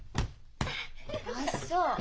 あっそう。